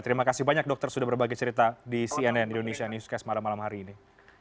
terima kasih banyak dokter sudah berbagi cerita di cnn indonesia newscast malam malam hari ini